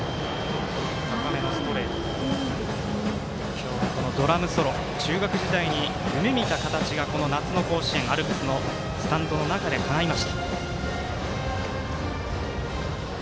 今日は、ドラムソロ中学時代に夢みた形がこの夏の甲子園アルプスのスタンドの中でかないました。